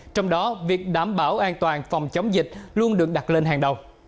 trong đó việc đảm bảo an toàn phòng chống dịch luôn được đặt lên hàng đầu